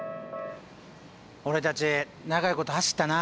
俺たち長いこと走ったな。